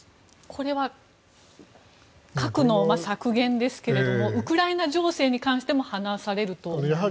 これは核の削減ですけれどウクライナ情勢に関しても話されると思いますか。